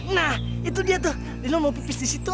nah itu dia tuh lino mau pipis di situ